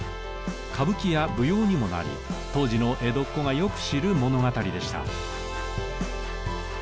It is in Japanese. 歌舞伎や舞踊にもなり当時の江戸っ子がよく知る物語でした。